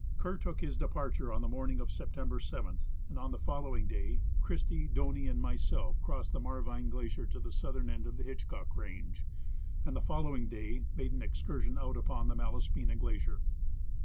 Kerr took his departure on the morning of September 7, and on the following clay Christie, Doney, and myself crossed the Marvine glacier to the southern end of the Hitchcock range, and the following day made an ex cursion out upon the Malaspina glacier.